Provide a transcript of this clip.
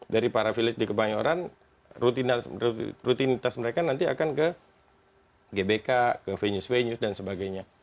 dari para village di kebanyoran rutinitas mereka nanti akan ke gbk ke venus venus dan sebagainya